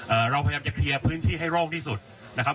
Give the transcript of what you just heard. เราพยายามจะเคลียร์พื้นที่ให้โล่งที่สุดนะครับ